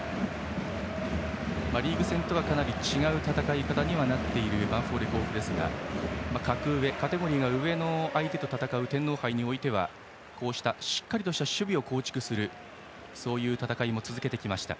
リーグ戦とはかなり違う戦い方になっているヴァンフォーレ甲府ですが格上カテゴリーが上の相手と戦う天皇杯においてはしっかりとした守備を構築するそういう戦いも続けてきました。